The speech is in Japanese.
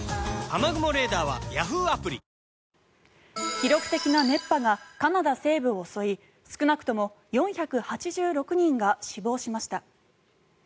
記録的な熱波がカナダ西部を襲い少なくとも４８６人が死亡しました。